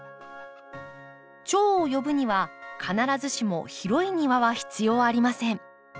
チョウを呼ぶには必ずしも広い庭は必要ありません。